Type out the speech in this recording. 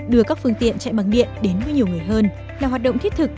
đưa các phương tiện chạy bằng điện đến với nhiều người hơn là hoạt động thiết thực